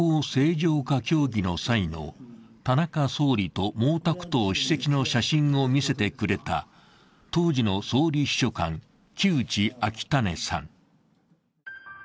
国交正常化協議の際の田中総理と毛沢東主席の写真を見せてくれた当時の総理秘書官、木内昭胤さん。